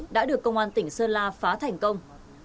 đã được công an tỉnh sơn la phá thành công